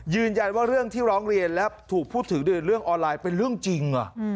ยืนยันว่าเรื่องที่ร้องเรียนและถูกพูดถึงเรื่องออนไลน์เป็นเรื่องจริง